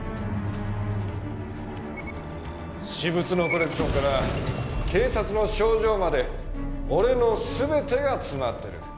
私物のコレクションから警察の賞状まで俺の全てが詰まってる。